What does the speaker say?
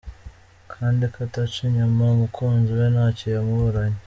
Kandi ko ataca inyuma umukunzi we nacyo yamuburanye.